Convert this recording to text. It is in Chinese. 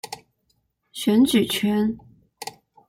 选举权。